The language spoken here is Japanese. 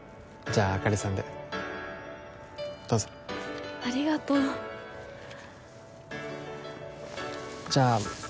あかりさんでどうぞありがとうじゃあ俺